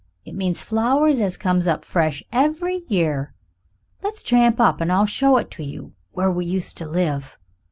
It means flowers as comes up fresh every year. Let's tramp up, and I'll show it to you where we used to live."